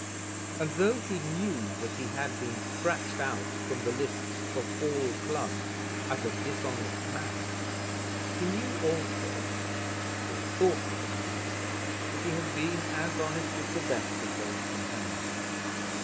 And though he knew that he had been scratched out from the lists of all clubs as a dishonest man, he knew also, or thought that he knew, that he had been as honest as the best of those companions.